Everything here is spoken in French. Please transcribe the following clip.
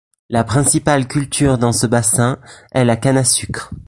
La principale culture dans ce bassin est la canne à sucre.